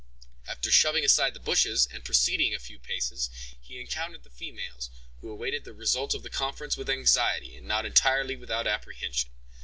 After shoving aside the bushes, and proceeding a few paces, he encountered the females, who awaited the result of the conference with anxiety, and not entirely without apprehension.